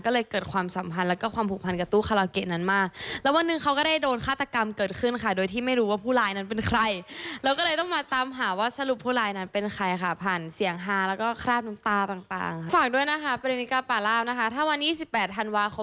ก็เลยเกิดความสัมพันธ์แล้วก็ความผูกพันธ์กับตู้คาเลาเกะนั้นมาก